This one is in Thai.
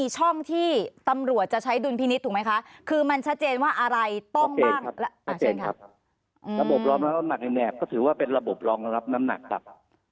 ก็ถือว่าเป็นระบบรองรับน้ำหนักครับ